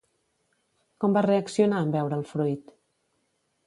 Com va reaccionar en veure el fruit?